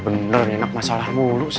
enggak benar benar enak masalah mulu sih